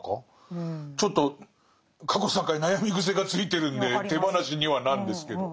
ちょっと過去３回悩み癖がついてるんで手放しにはなんですけど。